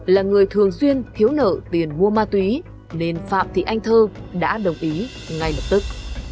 là người thường xuyên thiếu nợ tiền mua ma túy nên phạm thị anh thơ đã đồng ý ngay lập tức